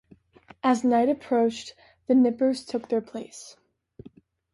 As night approached the nippers took their place.